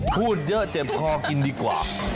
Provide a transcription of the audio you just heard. พูดเยอะเจ็บคอกินดีกว่า